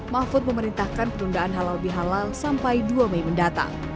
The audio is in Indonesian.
mahfud memerintahkan penundaan halal bihalal sampai dua mei mendatang